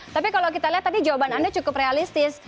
tapi kalau kita lihat tadi jawaban anda cukup realistis